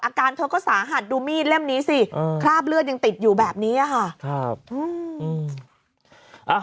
อาการเธอก็สาหัสดูมีดเล่มนี้สิคราบเลือดยังติดอยู่แบบนี้ค่ะครับ